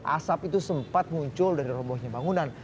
asap itu sempat muncul dari robo nya bangunan